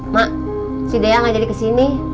mak si dea gak jadi kesini